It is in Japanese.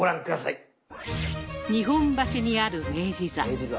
日本橋にある明治座。